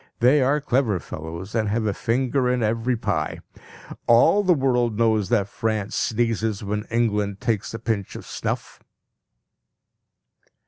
They are clever fellows, and have a finger in every pie. All the world knows that France sneezes when England takes a pinch of snuff.